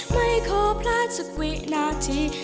ไม่ขอพลาดสักวินาที